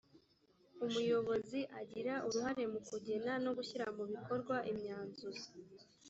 umuyobozi agira uruhare mu kugena no gushyira mu bikorwa imyanzuro